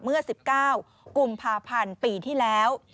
เมื่อ๑๙กุมภาพันธ์ปีที่แล้ว